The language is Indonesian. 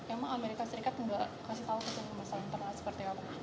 emang amerika serikat nggak kasih tahu ke sana masalah internal as seperti apa